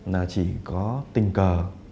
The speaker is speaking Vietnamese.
là chỉ có tình cờ